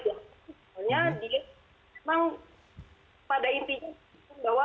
sebenarnya memang pada intinya bahwa